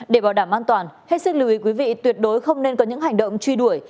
để bảo đảm an toàn hết sức lưu ý quý vị tuyệt đối không nên có những hành động truy đuổi